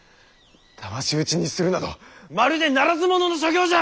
だまし討ちにするなどまるでならず者の所業じゃ！